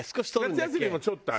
夏休みもちょっとある。